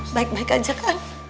baik baik aja kan